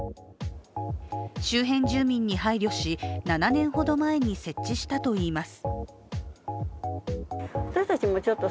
周辺住民に配慮し、７年ほど前に設置したといいます。